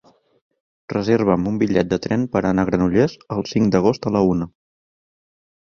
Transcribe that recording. Reserva'm un bitllet de tren per anar a Granollers el cinc d'agost a la una.